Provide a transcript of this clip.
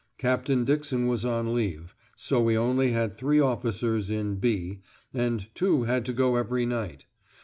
Captain Dixon was on leave, so we only had three officers in "B," and two had to go every night.